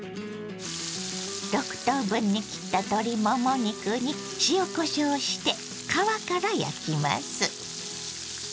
６等分に切った鶏もも肉に塩こしょうして皮から焼きます。